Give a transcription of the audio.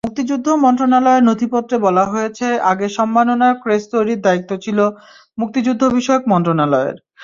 মুক্তিযুদ্ধ মন্ত্রণালয়ের নথিপত্রে বলা হয়েছে, আগে সম্মাননার ক্রেস্ট তৈরির দায়িত্ব ছিল মুক্তিযুদ্ধবিষয়ক মন্ত্রণালয়ের।